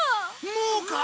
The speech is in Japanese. もうか？